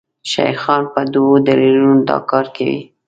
شیخان په دوو دلیلونو دا کار کوي.